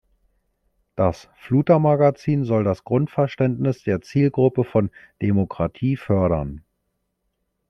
Das „fluter“-Magazin soll das Grundverständnis der Zielgruppe von Demokratie fördern.